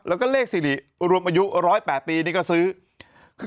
แล้วก็เลขสิริรวมอายุ๑๐๘ปีนี่ก็ซื้อ